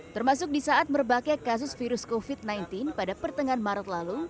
termasuk di saat merbakai kasus virus covid sembilan belas pada pertengahan maret lalu